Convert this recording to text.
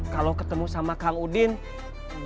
kalau ketemu sama kang udin bilang aja